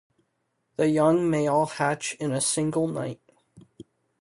The young may all hatch in a single night.